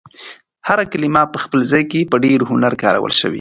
هر کلمه په خپل ځای کې په ډېر هنر کارول شوې.